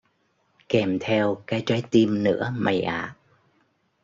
kèm theo cái trái tim nữa mày ạ